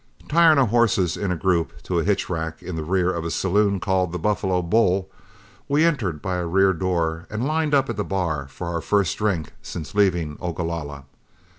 Tying our horses in a group to a hitch rack in the rear of a saloon called The Buffalo Bull, we entered by a rear door and lined up at the bar for our first drink since leaving Ogalalla.